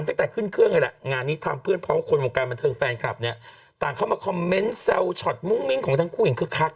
ทำไปนะซีอีอาร์น้องกวางก็เดี๋ยวบอกซีอีอาร์เดี๋ยวเจอกันไหม